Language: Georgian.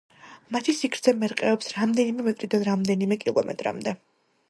მათი სიგრძე მერყეობს რამდენიმე მეტრიდან რამდენიმე კილომეტრამდე.